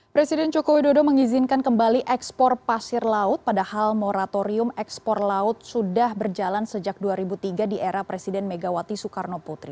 presiden joko widodo mengizinkan kembali ekspor pasir laut padahal moratorium ekspor laut sudah berjalan sejak dua ribu tiga di era presiden megawati soekarno putri